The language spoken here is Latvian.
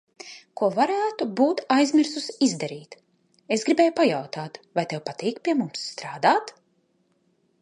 Ko varētu būt aizmirsusi izdarīt.– Es gribēju pajautāt vai tev patīk pie mums strādāt?